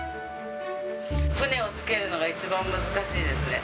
船を着けるのが一番難しいですね。